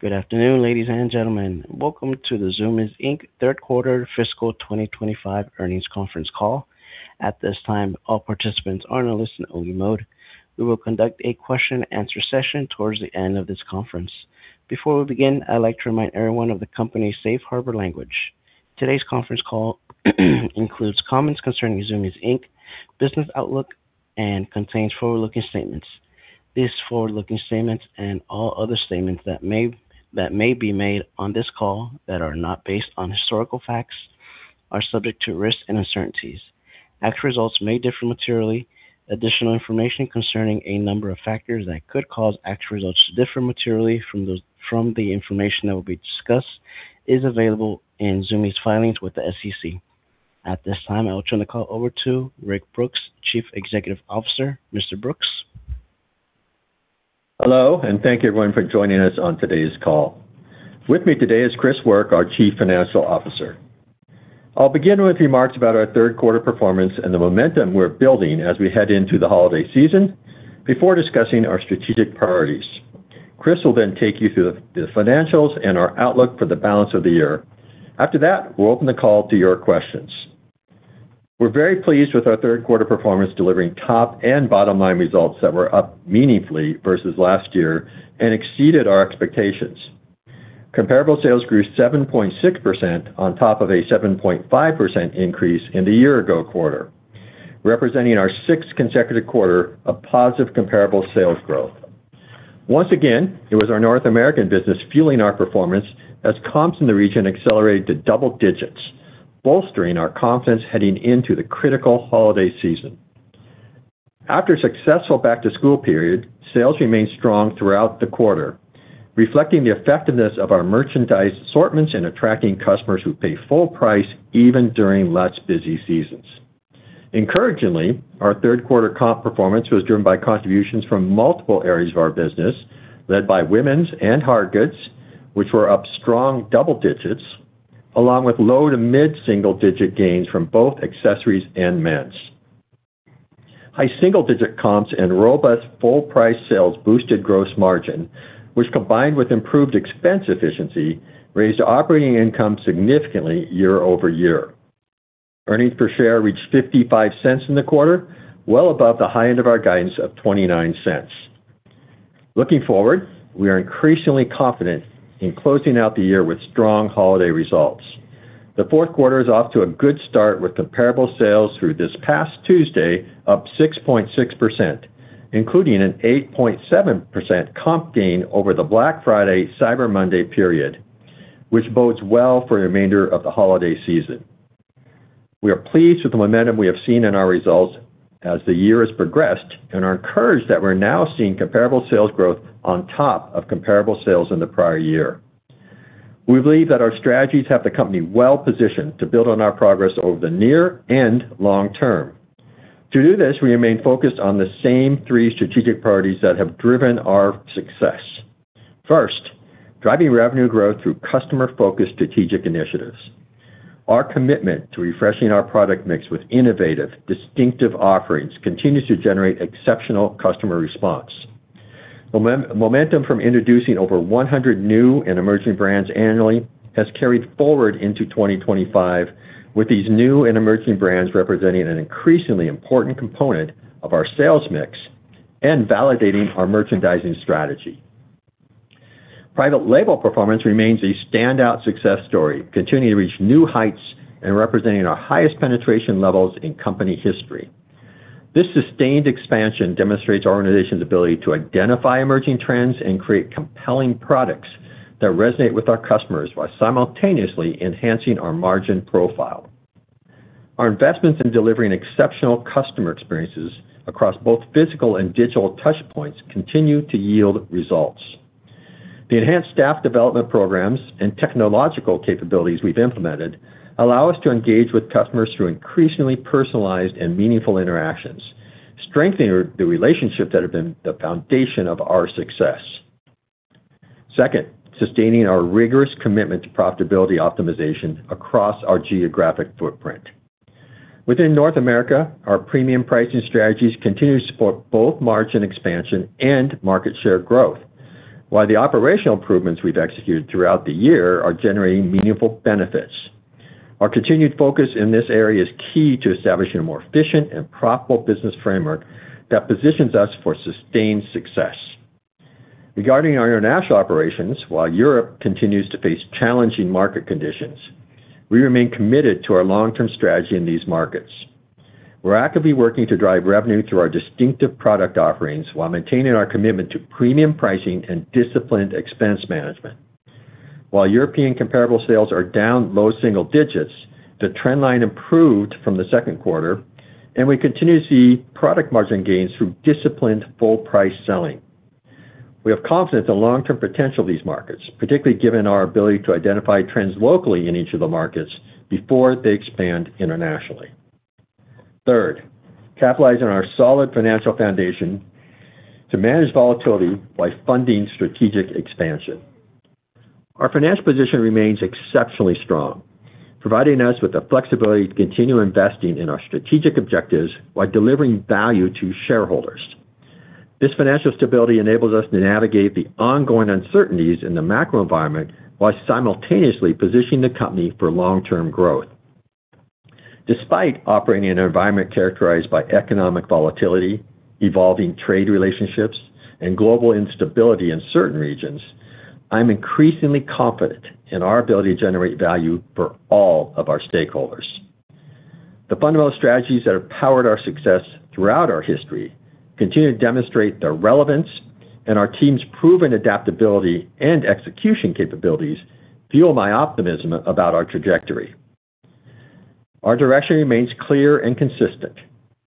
Good afternoon, ladies, and gentlemen. Welcome to the Zumiez Inc Third Quarter Fiscal 2025 Earnings Conference Call. At this time, all participants are in a listen-only mode. We will conduct a question-and-answer session towards the end of this conference. Before we begin, I'd like to remind everyone of the company's safe harbor language. Today's conference call includes comments concerning Zumiez Inc's business outlook, and contains forward-looking statements. These forward-looking statements and all other statements that may be made on this call that are not based on historical facts are subject to risks and uncertainties. Actual results may differ materially. Additional information concerning a number of factors that could cause actual results to differ materially from the information that will be discussed is available in Zumiez's filings with the SEC. At this time, I will turn the call over to Rick Brooks, Chief Executive Officer. Mr. Brooks. Hello, and thank you, everyone, for joining us on today's call. With me today is Chris Work, our Chief Financial Officer. I'll begin with remarks about our third quarter performance and the momentum we're building as we head into the holiday season before discussing our strategic priorities. Chris will then take you through the financials and our outlook for the balance of the year. After that, we'll open the call to your questions. We're very pleased with our third quarter performance, delivering top and bottom-line results that were up meaningfully versus last year and exceeded our expectations. Comparable sales grew 7.6% on top of a 7.5% increase in the year-ago quarter, representing our sixth consecutive quarter of positive comparable sales growth. Once again, it was our North American business fueling our performance as comps in the region accelerated to double digits, bolstering our confidence heading into the critical holiday season. After a successful back-to-school period, sales remained strong throughout the quarter, reflecting the effectiveness of our merchandise assortments and attracting customers who pay full price even during less busy seasons. Encouragingly, our third quarter comp performance was driven by contributions from multiple areas of our business, led by women's and hard goods, which were up strong double digits, along with low to mid-single digit gains from both accessories and men's. High single-digit comps and robust full-price sales boosted gross margin, which, combined with improved expense efficiency, raised operating income significantly year-over-year. Earnings per share reached $0.55 in the quarter, well above the high end of our guidance of $0.29. Looking forward, we are increasingly confident in closing out the year with strong holiday results. The fourth quarter is off to a good start with comparable sales through this past Tuesday, up 6.6%, including an 8.7% comp gain over the Black Friday Cyber Monday period, which bodes well for the remainder of the holiday season. We are pleased with the momentum we have seen in our results as the year has progressed and are encouraged that we're now seeing comparable sales growth on top of comparable sales in the prior year. We believe that our strategies have the company well positioned to build on our progress over the near and long term. To do this, we remain focused on the same three strategic priorities that have driven our success. First, driving revenue growth through customer-focused strategic initiatives. Our commitment to refreshing our product mix with innovative, distinctive offerings continues to generate exceptional customer response. Momentum from introducing over 100 new and emerging brands annually has carried forward into 2025, with these new and emerging brands representing an increasingly important component of our sales mix and validating our merchandising strategy. Private label performance remains a standout success story, continuing to reach new heights and representing our highest penetration levels in company history. This sustained expansion demonstrates our organization's ability to identify emerging trends and create compelling products that resonate with our customers while simultaneously enhancing our margin profile. Our investments in delivering exceptional customer experiences across both physical and digital touchpoints continue to yield results. The enhanced staff development programs and technological capabilities we've implemented allow us to engage with customers through increasingly personalized and meaningful interactions, strengthening the relationships that have been the foundation of our success. Second, sustaining our rigorous commitment to profitability optimization across our geographic footprint. Within North America, our premium pricing strategies continue to support both margin expansion and market share growth, while the operational improvements we've executed throughout the year are generating meaningful benefits. Our continued focus in this area is key to establishing a more efficient and profitable business framework that positions us for sustained success. Regarding our international operations, while Europe continues to face challenging market conditions, we remain committed to our long-term strategy in these markets. We're actively working to drive revenue through our distinctive product offerings while maintaining our commitment to premium pricing and disciplined expense management. While European comparable sales are down low single digits, the trend line improved from the second quarter, and we continue to see product margin gains through disciplined full-price selling. We have confidence in the long-term potential of these markets, particularly given our ability to identify trends locally in each of the markets before they expand internationally. Third, capitalizing on our solid financial foundation to manage volatility while funding strategic expansion. Our financial position remains exceptionally strong, providing us with the flexibility to continue investing in our strategic objectives while delivering value to shareholders. This financial stability enables us to navigate the ongoing uncertainties in the macro environment while simultaneously positioning the company for long-term growth. Despite operating in an environment characterized by economic volatility, evolving trade relationships, and global instability in certain regions, I'm increasingly confident in our ability to generate value for all of our stakeholders. The fundamental strategies that have powered our success throughout our history continue to demonstrate the relevance, and our team's proven adaptability and execution capabilities fuel my optimism about our trajectory. Our direction remains clear and consistent.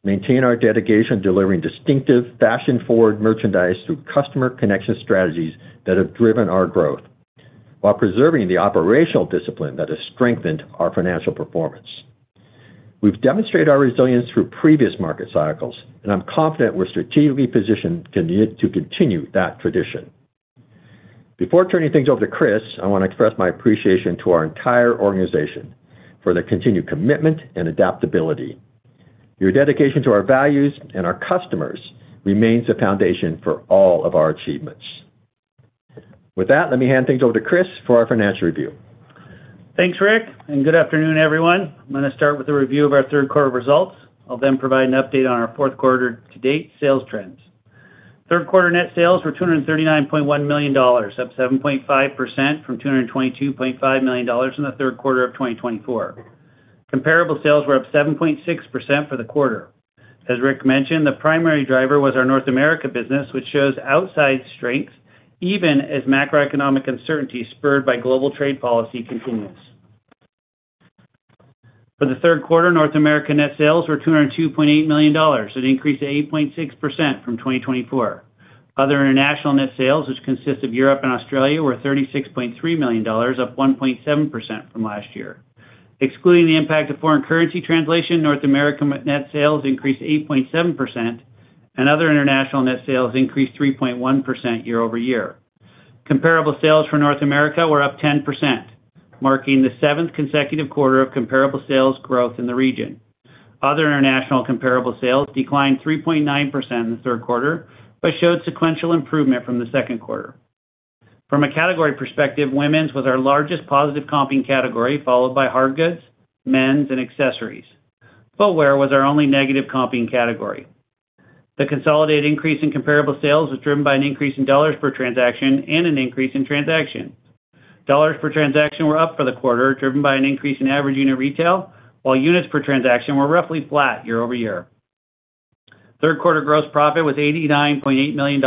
Maintain our dedication to delivering distinctive, fashion-forward merchandise through customer connection strategies that have driven our growth, while preserving the operational discipline that has strengthened our financial performance. We've demonstrated our resilience through previous market cycles, and I'm confident we're strategically positioned to continue that tradition. Before turning things over to Chris, I want to express my appreciation to our entire organization for the continued commitment and adaptability. Your dedication to our values and our customers remains the foundation for all of our achievements. With that, let me hand things over to Chris for our financial review. Thanks, Rick, and good afternoon, everyone. I'm going to start with a review of our third quarter results. I'll then provide an update on our fourth quarter-to-date sales trends. Third quarter net sales were $239.1 million, up 7.5% from $222.5 million in the third quarter of 2024. Comparable sales were up 7.6% for the quarter. As Rick mentioned, the primary driver was our North America business, which shows outsize strength, even as macroeconomic uncertainty spurred by global trade policy continues. For the third quarter, North America net sales were $202.8 million, an increase of 8.6% from 2024. Other international net sales, which consist of Europe and Australia, were $36.3 million, up 1.7% from last year. Excluding the impact of foreign currency translation, North America net sales increased 8.7%, and other international net sales increased 3.1% year-over-year. Comparable sales for North America were up 10%, marking the seventh consecutive quarter of comparable sales growth in the region. Other international comparable sales declined 3.9% in the third quarter but showed sequential improvement from the second quarter. From a category perspective, women's was our largest positive comping category, followed by hard goods, men's, and accessories. Footwear was our only negative comping category. The consolidated increase in comparable sales was driven by an increase in dollars per transaction and an increase in transactions. Dollars per transaction were up for the quarter, driven by an increase in average unit retail, while units per transaction were roughly flat year-over-year. Third quarter gross profit was $89.8 million,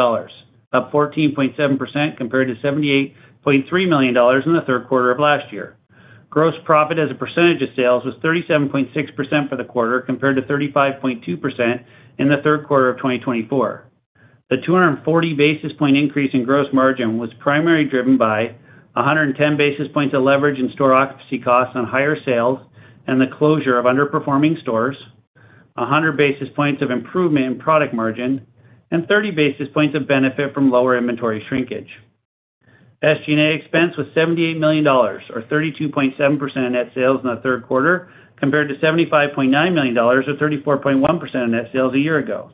up 14.7% compared to $78.3 million in the third quarter of last year. Gross profit as a percentage of sales was 37.6% for the quarter, compared to 35.2% in the third quarter of 2024. The 240 basis point increase in gross margin was primarily driven by 110 basis points of leverage and store occupancy costs on higher sales and the closure of underperforming stores, 100 basis points of improvement in product margin, and 30 basis points of benefit from lower inventory shrinkage. SG&A expense was $78 million, or 32.7% of net sales in the third quarter, compared to $75.9 million, or 34.1% of net sales a year ago.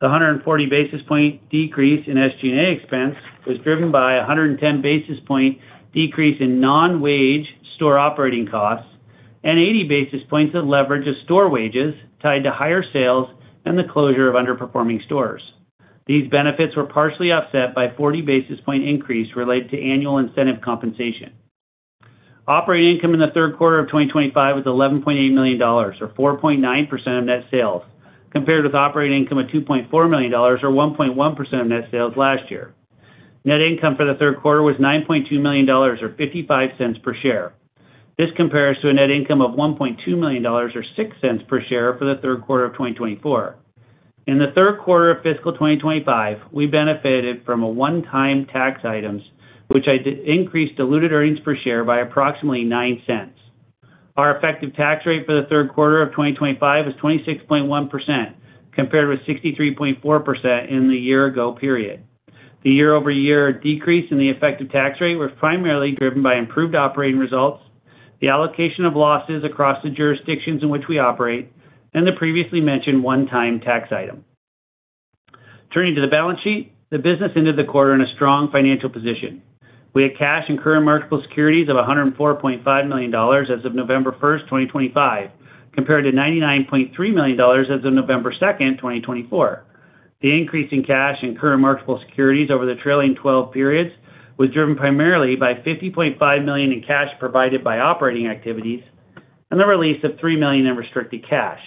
The 140 basis point decrease in SG&A expense was driven by 110 basis point decrease in non-wage store operating costs and 80 basis points of leverage of store wages tied to higher sales and the closure of underperforming stores. These benefits were partially offset by a 40 basis point increase related to annual incentive compensation. Operating income in the third quarter of 2025 was $11.8 million, or 4.9% of net sales, compared with operating income of $2.4 million, or 1.1% of net sales last year. Net income for the third quarter was $9.2 million, or $0.55 per share. This compares to a net income of $1.2 million, or $0.06 per share for the third quarter of 2024. In the third quarter of fiscal 2025, we benefited from one-time tax items, which increased diluted earnings per share by approximately $0.09. Our effective tax rate for the third quarter of 2025 was 26.1%, compared with 63.4% in the year-ago period. The year-over-year decrease in the effective tax rate was primarily driven by improved operating results, the allocation of losses across the jurisdictions in which we operate, and the previously mentioned one-time tax item. Turning to the balance sheet, the business ended the quarter in a strong financial position. We had cash and current marketable securities of $104.5 million as of November 1st, 2025, compared to $99.3 million as of November 2nd, 2024. The increase in cash and current marketable securities over the trailing 12 periods was driven primarily by $50.5 million in cash provided by operating activities and the release of $3 million in restricted cash.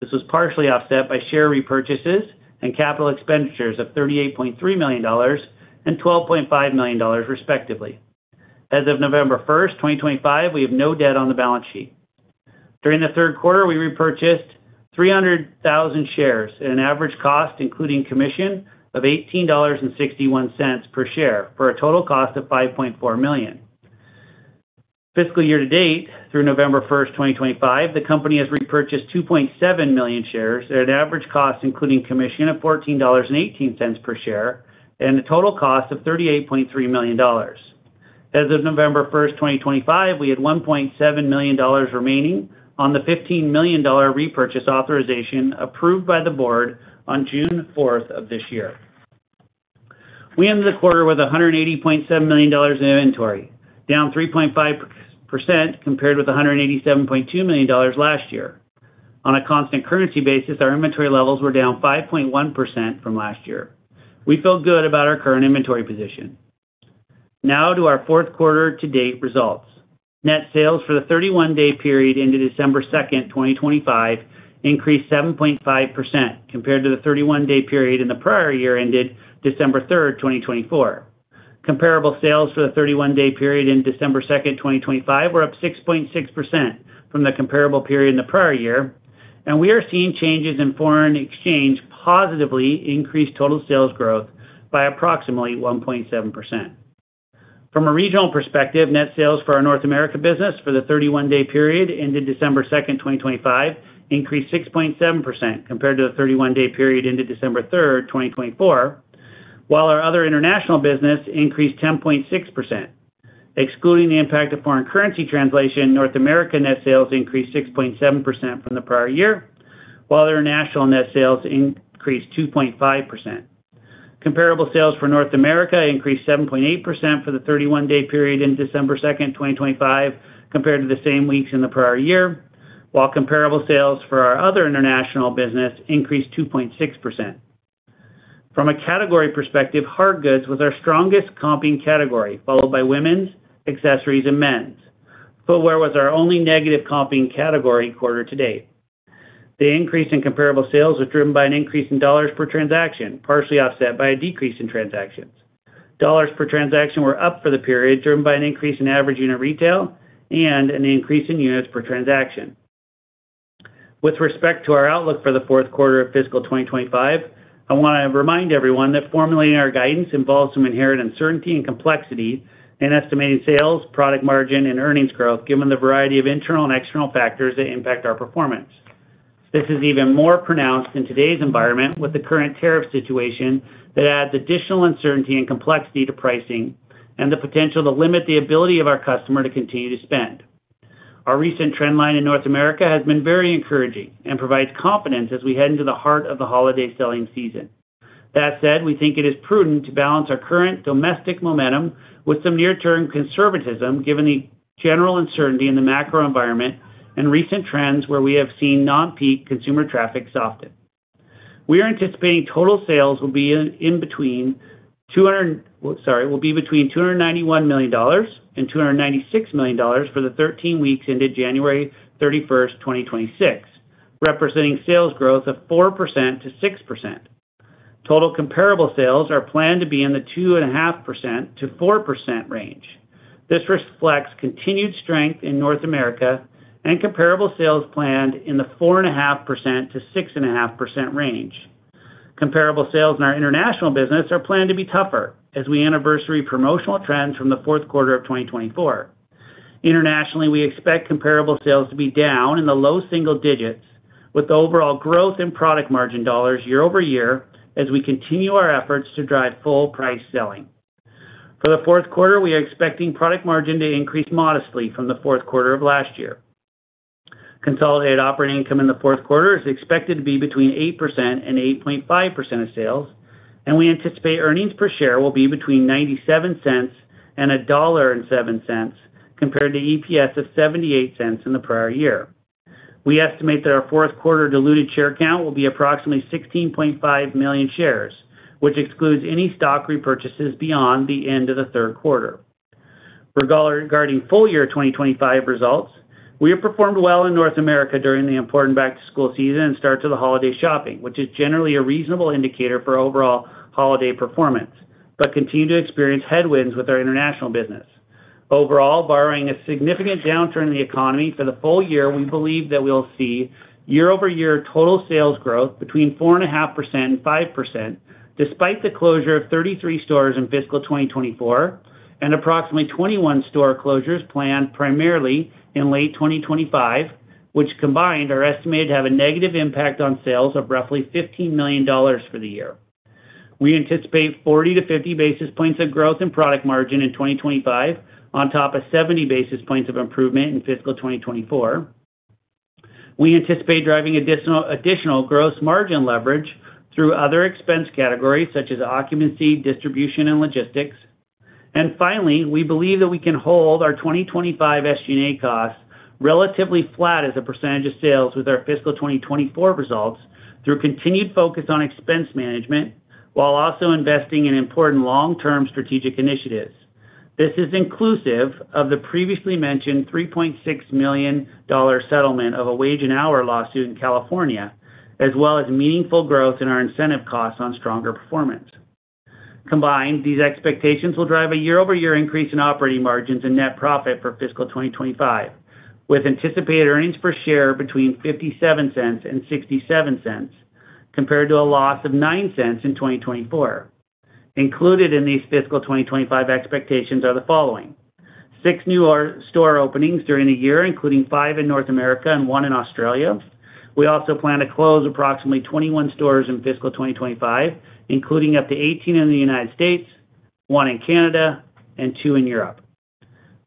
This was partially offset by share repurchases and capital expenditures of $38.3 million and $12.5 million, respectively. As of November 1st, 2025, we have no debt on the balance sheet. During the third quarter, we repurchased 300,000 shares at an average cost, including commission, of $18.61 per share for a total cost of $5.4 million. Fiscal year-to-date through November 1st, 2025, the company has repurchased 2.7 million shares at an average cost, including commission, of $14.18 per share and a total cost of $38.3 million. As of November 1st, 2025, we had $1.7 million remaining on the $15 million repurchase authorization approved by the board on June 4th of this year. We ended the quarter with $180.7 million in inventory, down 3.5% compared with $187.2 million last year. On a constant currency basis, our inventory levels were down 5.1% from last year. We feel good about our current inventory position. Now to our fourth quarter-to-date results. Net sales for the 31-day period ended December 2nd, 2025, increased 7.5% compared to the 31-day period in the prior year ended December 3rd, 2024. Comparable sales for the 31-day period ended December 2, 2025, were up 6.6% from the comparable period in the prior year, and we are seeing changes in foreign exchange positively increase total sales growth by approximately 1.7%. From a regional perspective, net sales for our North America business for the 31-day period ended December 2nd, 2025, increased 6.7% compared to the 31-day period ended December 3rd, 2024, while our other international business increased 10.6%. Excluding the impact of foreign currency translation, North America net sales increased 6.7% from the prior year, while international net sales increased 2.5%. Comparable sales for North America increased 7.8% for the 31-day period ended December 2nd, 2025, compared to the same weeks in the prior year, while comparable sales for our other international business increased 2.6%. From a category perspective, hard goods was our strongest comping category, followed by women's, accessories, and men's. Footwear was our only negative comping category quarter-to-date. The increase in comparable sales was driven by an increase in dollars per transaction, partially offset by a decrease in transactions. Dollars per transaction were up for the period, driven by an increase in average unit retail and an increase in units per transaction. With respect to our outlook for the fourth quarter of fiscal 2025, I want to remind everyone that formulating our guidance involves some inherent uncertainty and complexity in estimating sales, product margin, and earnings growth, given the variety of internal and external factors that impact our performance. This is even more pronounced in today's environment with the current tariff situation that adds additional uncertainty and complexity to pricing and the potential to limit the ability of our customer to continue to spend. Our recent trend line in North America has been very encouraging and provides confidence as we head into the heart of the holiday selling season. That said, we think it is prudent to balance our current domestic momentum with some near-term conservatism, given the general uncertainty in the macro environment and recent trends where we have seen non-peak consumer traffic softened. We are anticipating total sales will be in between $291 million and $296 million for the 13 weeks ended January 31st, 2026, representing sales growth of 4% to 6%. Total comparable sales are planned to be in the 2.5% to 4% range. This reflects continued strength in North America and comparable sales planned in the 4.5% to 6.5% range. Comparable sales in our international business are planned to be tougher as we anniversary promotional trends from the fourth quarter of 2024. Internationally, we expect comparable sales to be down in the low single digits, with overall growth in product margin dollars year-over-year as we continue our efforts to drive full-price selling. For the fourth quarter, we are expecting product margin to increase modestly from the fourth quarter of last year. Consolidated operating income in the fourth quarter is expected to be between 8% and 8.5% of sales, and we anticipate earnings per share will be between $0.97 and $1.07, compared to EPS of $0.78 in the prior year. We estimate that our fourth quarter diluted share count will be approximately 16.5 million shares, which excludes any stock repurchases beyond the end of the third quarter. Regarding full-year 2025 results, we have performed well in North America during the important back-to-school season and start to the holiday shopping, which is generally a reasonable indicator for overall holiday performance, but continue to experience headwinds with our international business. Overall, barring a significant downturn in the economy for the full year, we believe that we'll see year-over-year total sales growth between 4.5%-5%, despite the closure of 33 stores in fiscal 2024 and approximately 21 store closures planned primarily in late 2025, which combined are estimated to have a negative impact on sales of roughly $15 million for the year. We anticipate 40 basis points-50 basis points of growth in product margin in 2025, on top of 70 basis points of improvement in fiscal 2024. We anticipate driving additional gross margin leverage through other expense categories such as occupancy, distribution, and logistics. Finally, we believe that we can hold our 2025 SG&A costs relatively flat as a percentage of sales with our fiscal 2024 results through continued focus on expense management, while also investing in important long-term strategic initiatives. This is inclusive of the previously mentioned $3.6 million settlement of a wage-and-hour lawsuit in California, as well as meaningful growth in our incentive costs on stronger performance. Combined, these expectations will drive a year-over-year increase in operating margins and net profit for fiscal 2025, with anticipated earnings per share between $0.57 and $0.67, compared to a loss of $0.09 in 2024. Included in these fiscal 2025 expectations are the following: six new store openings during the year, including five in North America and one in Australia. We also plan to close approximately 21 stores in fiscal 2025, including up to 18 in the United States, one in Canada, and two in Europe.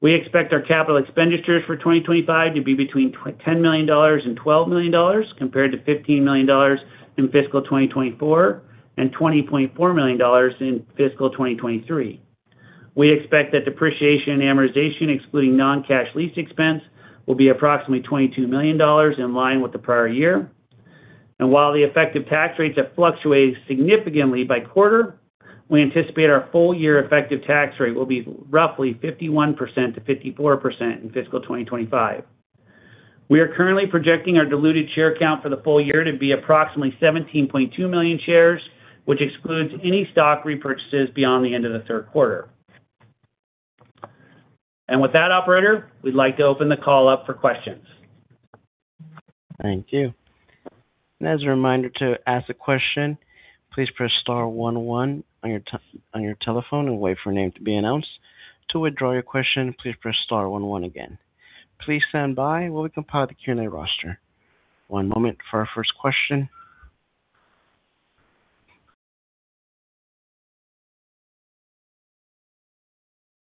We expect our capital expenditures for 2025 to be between $10 million and $12 million, compared to $15 million in fiscal 2024 and $20.4 million in fiscal 2023. We expect that depreciation and amortization, excluding non-cash lease expense, will be approximately $22 million in line with the prior year. And while the effective tax rates have fluctuated significantly by quarter, we anticipate our full-year effective tax rate will be roughly 51% to 54% in fiscal 2025. We are currently projecting our diluted share count for the full year to be approximately 17.2 million shares, which excludes any stock repurchases beyond the end of the third quarter. And with that, Operator, we'd like to open the call up for questions. Thank you. As a reminder to ask a question, please press star one one on your telephone and wait for a name to be announced. To withdraw your question, please press star one one again. Please stand by while we compile the Q&A roster. One moment for our first question.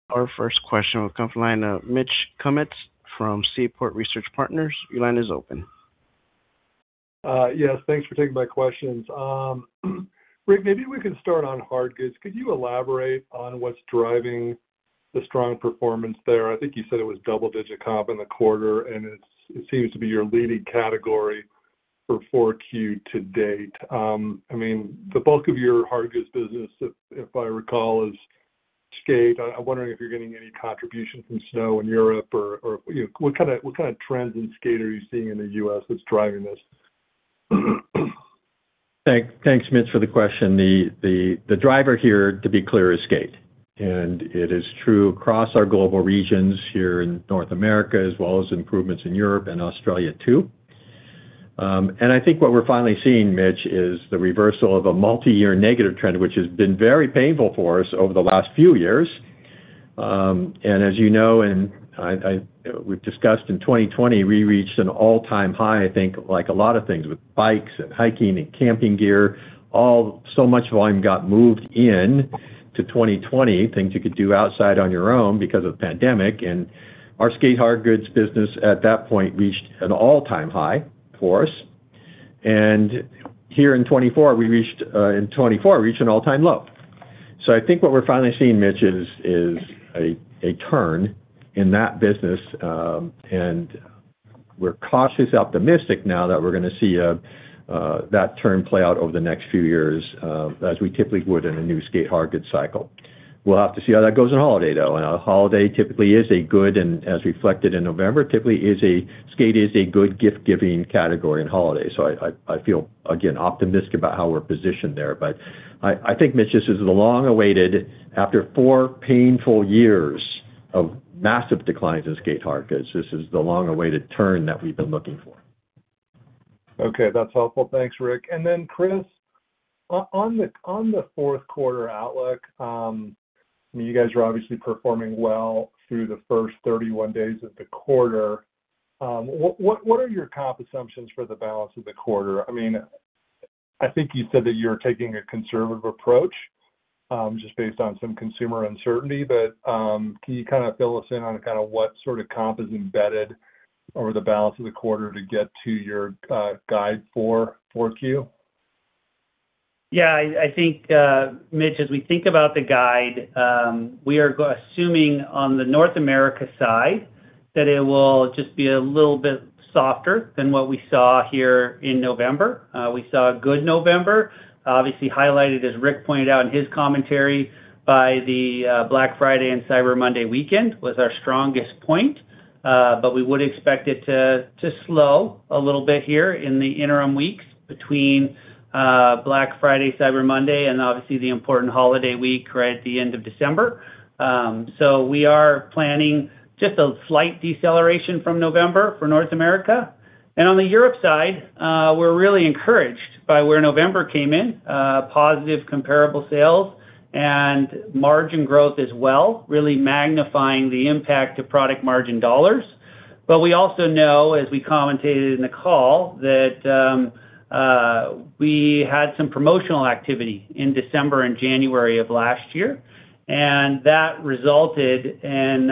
Our first question will come from Mitch Kummetz from Seaport Research Partners. Your line is open. Yes, thanks for taking my questions. Rick, maybe we could start on hard goods. Could you elaborate on what's driving the strong performance there? I think you said it was double-digit comp in the quarter, and it seems to be your leading category for 4Q to date. I mean, the bulk of your hard goods business, if I recall, is skate. I'm wondering if you're getting any contribution from snow in Europe or what kind of trends in skate are you seeing in the U.S. That's driving this? Thanks, Mitch, for the question. The driver here, to be clear, is skate. And it is true across our global regions here in North America, as well as improvements in Europe and Australia too. And I think what we're finally seeing, Mitch, is the reversal of a multi-year negative trend, which has been very painful for us over the last few years. And as you know, and we've discussed, in 2020, we reached an all-time high, I think, like a lot of things with bikes and hiking and camping gear. So much volume got moved into 2020, things you could do outside on your own because of the pandemic. And our skate hard goods business at that point reached an all-time high for us. And here in 2024, we reached an all-time low. I think what we're finally seeing, Mitch, is a turn in that business. We're cautiously optimistic now that we're going to see that turn play out over the next few years, as we typically would in a new skate hard goods cycle. We'll have to see how that goes in holiday, though. A holiday typically is a good, and as reflected in November, typically skate is a good gift-giving category in holidays. I feel, again, optimistic about how we're positioned there. I think, Mitch, this is the long-awaited, after four painful years of massive declines in skate hard goods, this is the long-awaited turn that we've been looking for. Okay, that's helpful. Thanks, Rick. Then, Chris, on the fourth quarter outlook, I mean, you guys are obviously performing well through the first 31 days of the quarter. What are your comp assumptions for the balance of the quarter? I mean, I think you said that you're taking a conservative approach just based on some consumer uncertainty. But can you kind of fill us in on kind of what sort of comp is embedded over the balance of the quarter to get to your guide for 4Q? Yeah, I think, Mitch, as we think about the guide, we are assuming on the North America side that it will just be a little bit softer than what we saw here in November. We saw a good November, obviously highlighted, as Rick pointed out in his commentary, by the Black Friday and Cyber Monday weekend, was our strongest point. But we would expect it to slow a little bit here in the interim weeks between Black Friday, Cyber Monday, and obviously the important holiday week right at the end of December. So we are planning just a slight deceleration from November for North America. And on the Europe side, we're really encouraged by where November came in, positive comparable sales and margin growth as well, really magnifying the impact of product margin dollars. But we also know, as we commentated in the call, that we had some promotional activity in December and January of last year, and that resulted in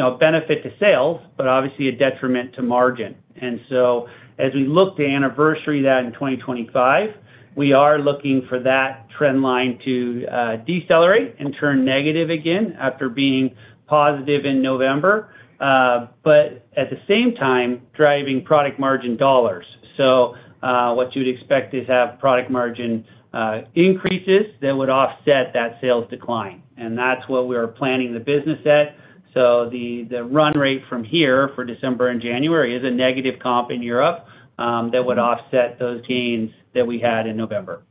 a benefit to sales, but obviously a detriment to margin. And so as we look to anniversary that in 2025, we are looking for that trend line to decelerate and turn negative again after being positive in November, but at the same time driving product margin dollars. So what you'd expect is to have product margin increases that would offset that sales decline. And that's what we're planning the business at. So the run rate from here for December and January is a negative comp in Europe that would offset those gains that we had in November.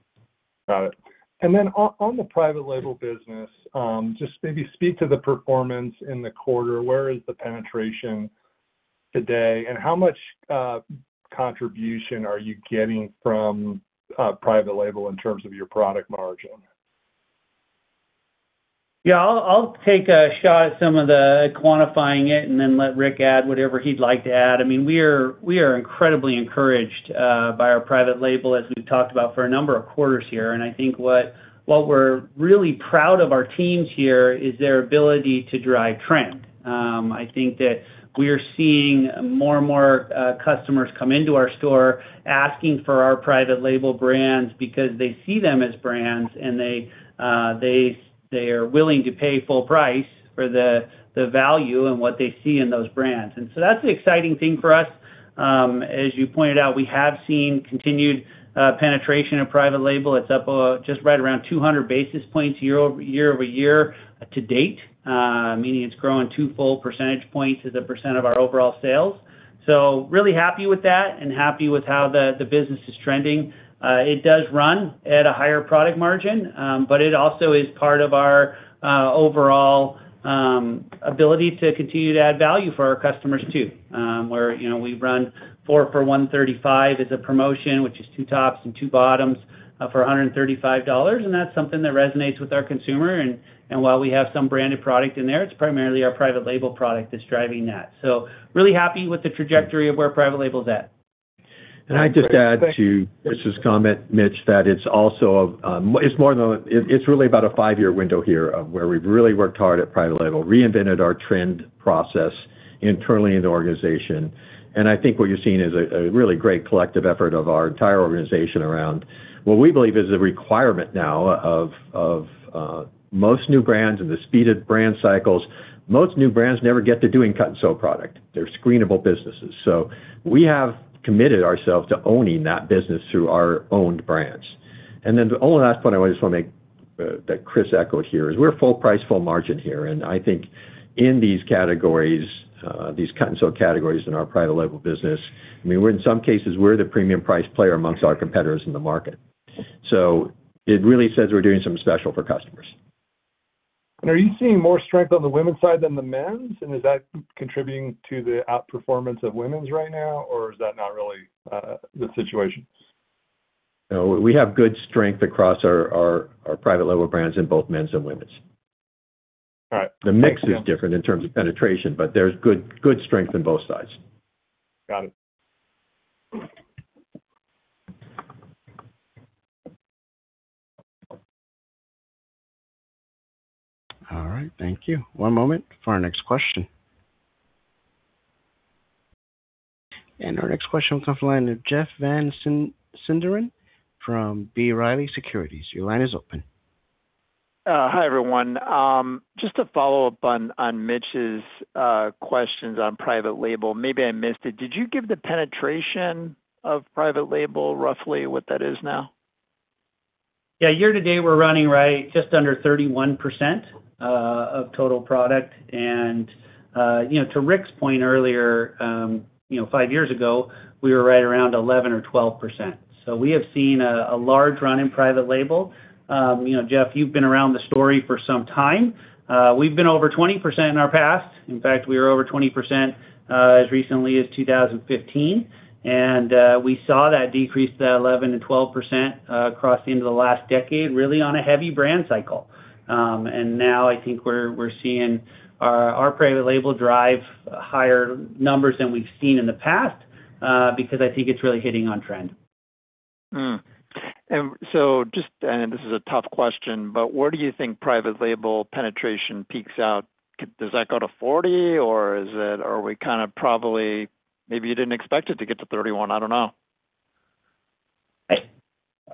Got it. And then on the private label business, just maybe speak to the performance in the quarter. Where is the penetration today, and how much contribution are you getting from private label in terms of your product margin? Yeah, I'll take a shot at some of the quantifying it and then let Rick add whatever he'd like to add. I mean, we are incredibly encouraged by our private label, as we've talked about for a number of quarters here. And I think what we're really proud of our teams here is their ability to drive trend. I think that we are seeing more and more customers come into our store asking for our private label brands because they see them as brands, and they are willing to pay full price for the value and what they see in those brands, and so that's the exciting thing for us. As you pointed out, we have seen continued penetration of private label. It's up just right around 200 basis points year-over-year to date, meaning it's grown two full percentage points as a percent of our overall sales, so really happy with that and happy with how the business is trending. It does run at a higher product margin, but it also is part of our overall ability to continue to add value for our customers too. We've run four for $135 as a promotion, which is two tops and two bottoms for $135. That's something that resonates with our consumer. While we have some branded product in there, it's primarily our private label product that's driving that. We're really happy with the trajectory of where private label's at. I'd just add to Mitch's comment, Mitch, that it's also more than it's really about a five-year window here where we've really worked hard at private label, reinvented our trend process internally in the organization. I think what you're seeing is a really great collective effort of our entire organization around what we believe is the requirement now of most new brands and the speed of brand cycles. Most new brands never get to doing cut-and-sew product. They're screenable businesses. We have committed ourselves to owning that business through our own brands. And then the only last point I just want to make that Chris echoed here is we're full price, full margin here. And I think in these categories, these cut-and-sew categories in our private label business, I mean, in some cases, we're the premium price player among our competitors in the market. So it really says we're doing something special for customers. And are you seeing more strength on the women's side than the men's? And is that contributing to the outperformance of women's right now, or is that not really the situation? No, we have good strength across our private label brands in both men's and women's. The mix is different in terms of penetration, but there's good strength in both sides. Got it. All right. Thank you. One moment for our next question. And our next question will come from Jeff Van Sinderen from B. Riley Securities. Your line is open. Hi, everyone. Just to follow up on Mitch's questions on private label, maybe I missed it. Did you give the penetration of private label roughly what that is now? Yeah, year-to-date, we're running right just under 31% of total product. To Rick's point earlier, five years ago, we were right around 11% or 12%. We have seen a large run in private label. Jeff, you've been around the story for some time. We've been over 20% in our past. In fact, we were over 20% as recently as 2015. We saw that decrease to 11% and 12% across the end of the last decade, really on a heavy brand cycle. Now I think we're seeing our private label drive higher numbers than we've seen in the past because I think it's really hitting on trend. And so just, and this is a tough question, but where do you think private label penetration peaks out? Does that go to 40, or are we kind of probably maybe you didn't expect it to get to 31? I don't know.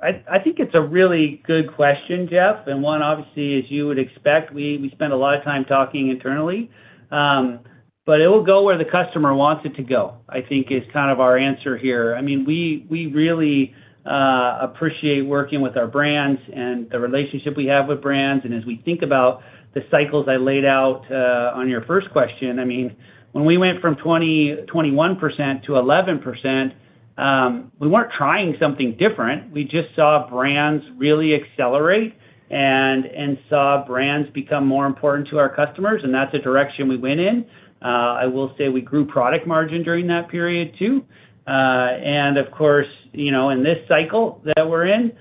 I think it's a really good question, Jeff. And one, obviously, as you would expect, we spend a lot of time talking internally. But it will go where the customer wants it to go, I think, is kind of our answer here. I mean, we really appreciate working with our brands and the relationship we have with brands. And as we think about the cycles I laid out on your first question, I mean, when we went from 21% to 11%, we weren't trying something different. We just saw brands really accelerate and saw brands become more important to our customers. And that's a direction we went in. I will say we grew product margin during that period too, and of course, in this cycle that we're in,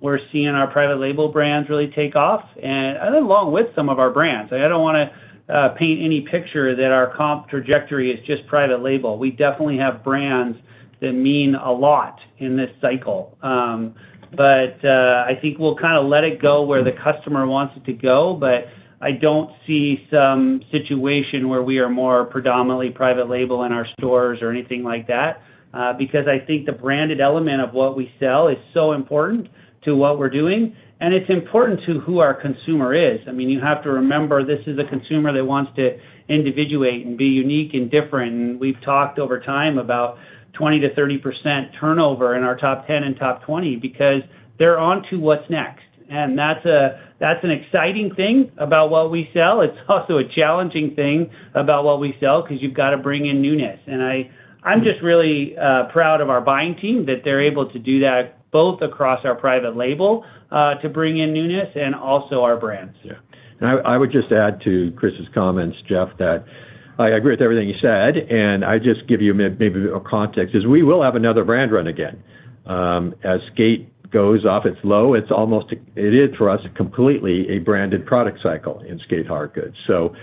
we're seeing our private label brands really take off, along with some of our brands. I don't want to paint any picture that our comp trajectory is just private label. We definitely have brands that mean a lot in this cycle, but I think we'll kind of let it go where the customer wants it to go, but I don't see some situation where we are more predominantly private label in our stores or anything like that because I think the branded element of what we sell is so important to what we're doing, and it's important to who our consumer is. I mean, you have to remember this is a consumer that wants to individuate and be unique and different. We've talked over time about 20%-30% turnover in our top 10 and top 20 because they're on to what's next. That's an exciting thing about what we sell. It's also a challenging thing about what we sell because you've got to bring in newness. I'm just really proud of our buying team that they're able to do that both across our private label to bring in newness and also our brands. Yeah. I would just add to Chris's comments, Jeff, that I agree with everything you said. I just give you maybe a context is we will have another brand run again. As skate goes off its low, it's almost, it is for us completely a branded product cycle in skate hard goods. So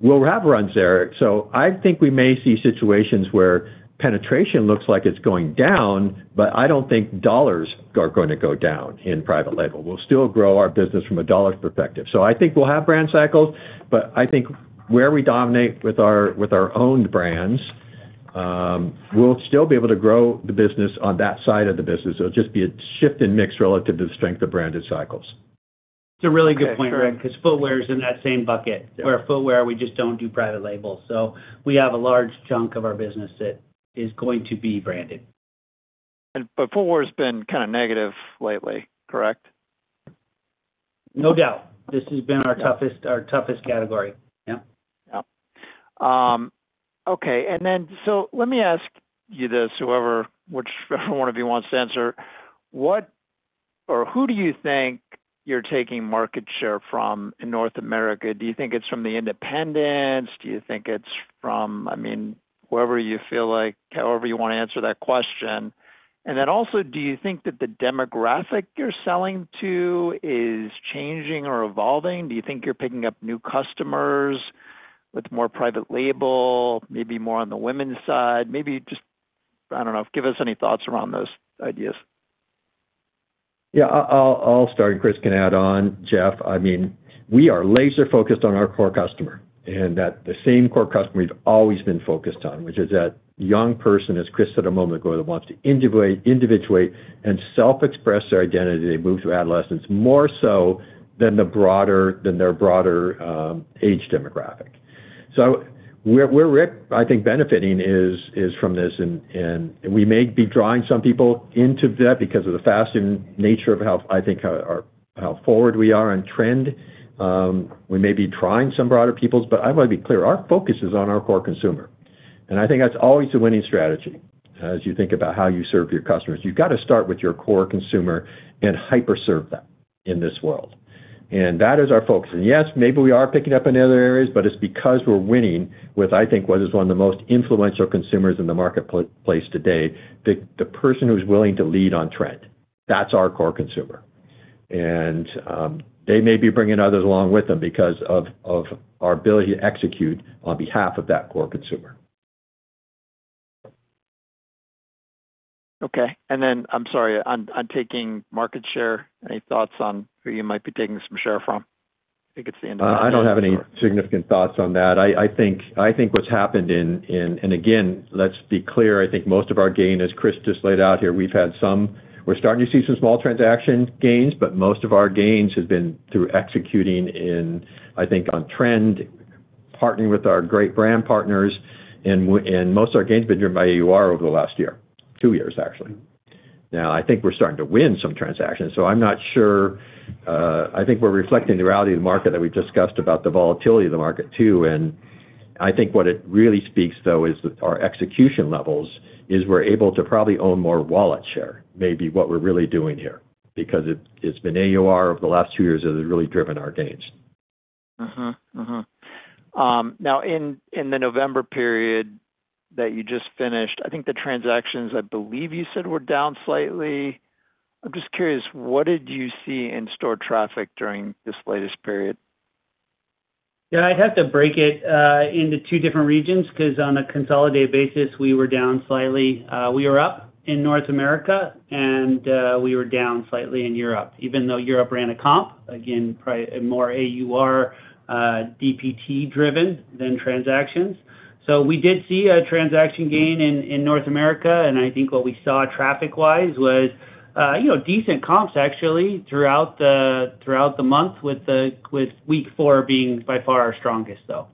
we'll have runs there. So I think we may see situations where penetration looks like it's going down, but I don't think dollars are going to go down in private label. We'll still grow our business from a dollar perspective. So I think we'll have brand cycles. But I think where we dominate with our own brands, we'll still be able to grow the business on that side of the business. It'll just be a shift in mix relative to the strength of branded cycles. It's a really good point, Rick, because Footwear is in that same bucket where Footwear, we just don't do private label. So we have a large chunk of our business that is going to be branded. And Footwear has been kind of negative lately, correct? No doubt. This has been our toughest category. Yeah. Yeah. Okay. And then so let me ask you this, whoever one of you wants to answer. What or who do you think you're taking market share from in North America? Do you think it's from the independents? Do you think it's from, I mean, whoever you feel like, however you want to answer that question? And then also, do you think that the demographic you're selling to is changing or evolving? Do you think you're picking up new customers with more private label, maybe more on the women's side? Maybe just, I don't know, give us any thoughts around those ideas. Yeah, I'll start, and Chris can add on, Jeff. I mean, we are laser-focused on our core customer and that the same core customer we've always been focused on, which is that young person, as Chris said a moment ago, that wants to individuate and self-express their identity and move through adolescence more so than their broader age demographic, so where Rick, I think, benefiting is from this, and we may be drawing some people into that because of the faster nature of how I think how forward we are on trend. We may be drawing some broader peoples, but I want to be clear, our focus is on our core consumer, and I think that's always the winning strategy as you think about how you serve your customers. You've got to start with your core consumer and hyper-serve them in this world, and that is our focus. And yes, maybe we are picking up in other areas, but it's because we're winning with, I think, what is one of the most influential consumers in the marketplace today, the person who's willing to lead on trend. That's our core consumer. And they may be bringing others along with them because of our ability to execute on behalf of that core consumer. Okay. And then I'm sorry, on taking market share, any thoughts on who you might be taking some share from? I think it's the end of the question. I don't have any significant thoughts on that. I think what's happened in, and again, let's be clear. I think most of our gains, as Chris just laid out here, we've had some; we're starting to see some small transaction gains, but most of our gains have been through executing in, I think, on trend, partnering with our great brand partners. And most of our gains have been driven by AUR over the last year, two years, actually. Now, I think we're starting to win some transactions. So I'm not sure. I think we're reflecting the reality of the market that we've discussed about the volatility of the market too. And I think what it really speaks to, though, is our execution levels is we're able to probably own more wallet share, maybe what we're really doing here because it's been AUR over the last two years that has really driven our gains. Now, in the November period that you just finished, I think the transactions, I believe you said, were down slightly. I'm just curious, what did you see in store traffic during this latest period? Yeah, I'd have to break it into two different regions because on a consolidated basis, we were down slightly. We were up in North America, and we were down slightly in Europe, even though Europe ran a comp, again, probably more AUR, DPT-driven than transactions. So we did see a transaction gain in North America. And I think what we saw traffic-wise was decent comps, actually, throughout the month, with week four being by far our strongest, though.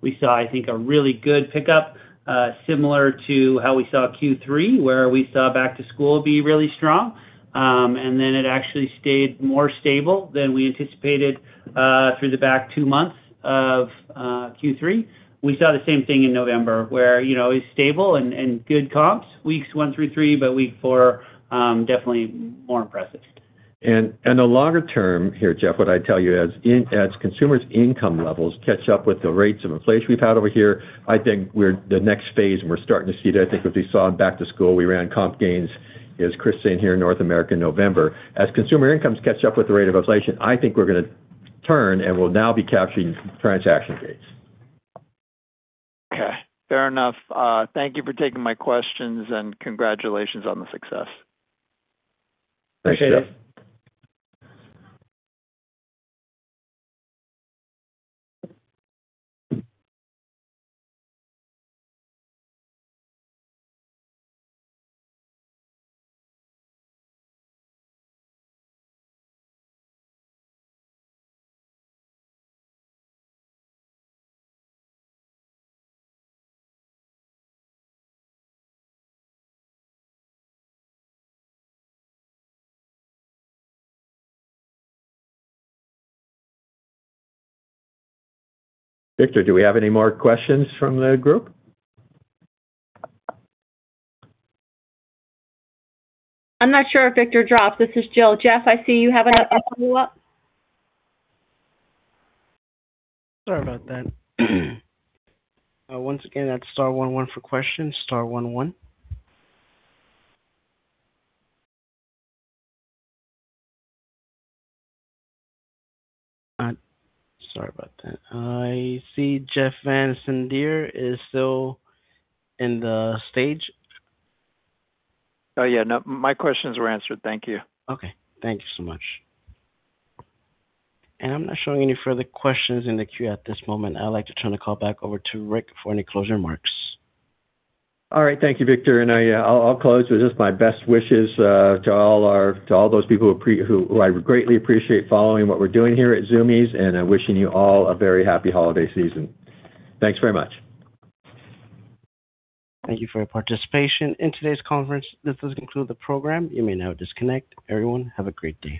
We saw, I think, a really good pickup, similar to how we saw Q3, where we saw back-to-school be really strong. And then it actually stayed more stable than we anticipated through the back two months of Q3. We saw the same thing in November, where it was stable and good comps, weeks one through three, but week four, definitely more impressive, and the longer term here, Jeff, what I tell you is as consumers' income levels catch up with the rates of inflation we've had over here, I think we're in the next phase, and we're starting to see that. I think what we saw in back-to-school, we ran comp gains, as Chris said here in North America, November. As consumer incomes catch up with the rate of inflation, I think we're going to turn, and we'll now be capturing transaction gains. Okay. Fair enough. Thank you for taking my questions, and congratulations on the success. Thanks, Jeff. Victor, do we have any more questions from the group? I'm not sure if Victor dropped. This is Jill. Jeff, I see you have a follow-up. Sorry about that. Once again, that's star one one for questions, star one one. Sorry about that. I see Jeff Van Sinderen is still in the queue. Oh, yeah. My questions were answered. Thank you. Okay. Thank you so much. And I'm not showing any further questions in the queue at this moment. I'd like to turn the call back over to Rick for any closing remarks. All right. Thank you, Victor. And I'll close with just my best wishes to all those people who I greatly appreciate following what we're doing here at Zumiez and wishing you all a very happy holiday season. Thanks very much. Thank you for your participation in today's conference. This does conclude the program. You may now disconnect. Everyone, have a great day.